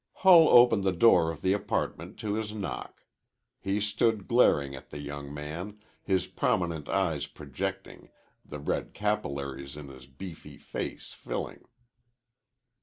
Hull opened the door of the apartment to his knock. He stood glaring at the young man, his prominent eyes projecting, the red capillaries in his beefy face filling.